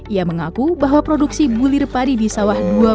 ia mengaku bahwa produksi bulir padi diselenggarakan